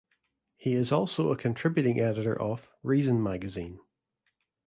He is also a contributing editor of "Reason" magazine.